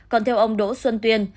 còn theo ông đỗ xuân tuyên